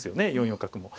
４四角も。